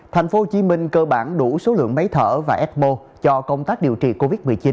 thành phố hồ chí minh cơ bản đủ số lượng máy thở và expo cho công tác điều trị covid một mươi chín